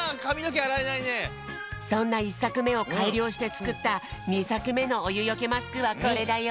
そんな１さくめをかいりょうしてつくった２さくめのおゆよけマスクはこれだよ。